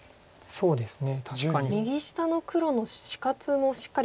そうですね